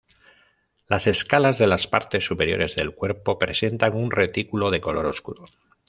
Las escalas de las partes superiores del cuerpo presentan un retículo de color oscuro.